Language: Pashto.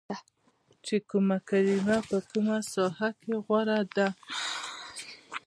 چې کومه کلمه په کومه ساحه کې غوره ده